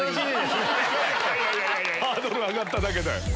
ハードル上がっただけだよ。